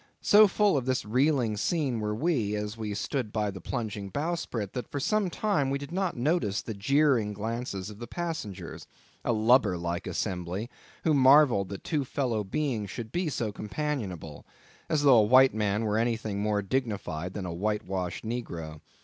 So full of this reeling scene were we, as we stood by the plunging bowsprit, that for some time we did not notice the jeering glances of the passengers, a lubber like assembly, who marvelled that two fellow beings should be so companionable; as though a white man were anything more dignified than a whitewashed negro.